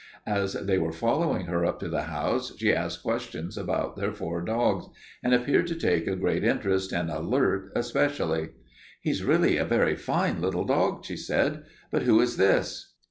As they were following her up to the house she asked questions about their four dogs, and appeared to take a great interest in Alert especially. "He's really a very fine little dog," she said. "But who is this?"